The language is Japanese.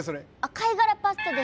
貝殻パスタです